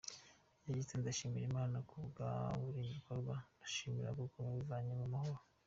Yagize ati “Ndashimira Imana ku bwa buri gikorwa, ndashima kuko tubivuyemo amahoro!”.